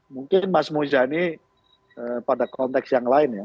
mungkin mas muzani pada konteks yang lain ya